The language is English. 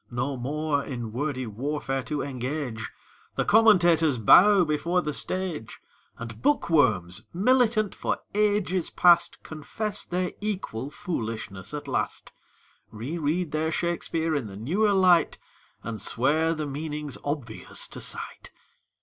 No more in wordy warfare to engage, The commentators bow before the stage, And bookworms, militant for ages past, Confess their equal foolishness at last, Reread their Shakspeare in the newer light And swear the meaning's obvious to sight.